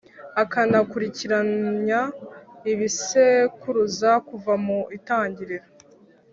akanakurikiranya ibisekuruza kuva mu ntangiriro?